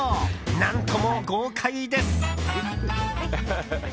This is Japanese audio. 何とも豪快です。